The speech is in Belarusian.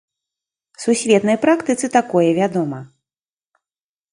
Сусветнай практыцы такое вядома.